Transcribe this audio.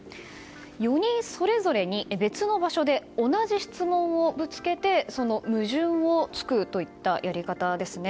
４人それぞれに別の場所で同じ質問をぶつけてその矛盾を突くといったやり方ですね。